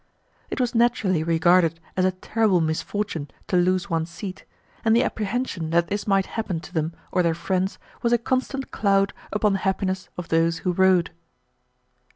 It was naturally regarded as a terrible misfortune to lose one's seat, and the apprehension that this might happen to them or their friends was a constant cloud upon the happiness of those who rode.